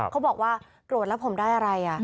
เขาบอกว่าโกรธแล้วผมได้อะไร